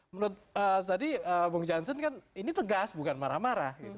menurut tadi bang johnson kan ini tegas bukan marah marah